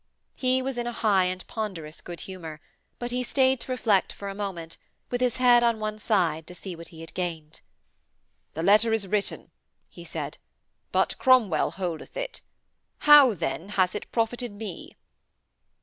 He was in a high and ponderous good humour, but he stayed to reflect for a moment, with his head on one side, to see what he had gained. 'This letter is written,' he said. 'But Cromwell holdeth it. How, then, has it profited me?'